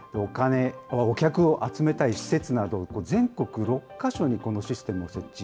お客を集めたい施設など、全国６か所にこのシステムを設置。